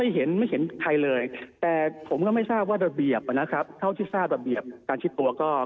เห็นไม่เห็นใครเลยแต่ผมก็ไม่ทราบว่าระเบียบนะครับเท่าที่ทราบระเบียบการชิดตัวก็